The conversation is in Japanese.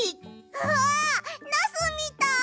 うわナスみたい！